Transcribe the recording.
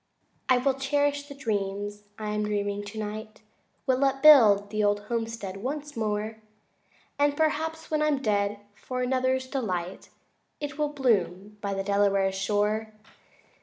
V I will cherish the dreams I am dreaming tonight, Will upbuild the old homestead once more, And perhaps when I'm dead, for another's delight It will bloom by the Delaware's shore.